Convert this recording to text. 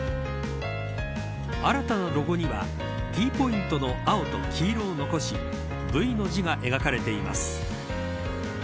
新たなロゴにはＴポイントの青と黄色を残しＶの字が描かれています。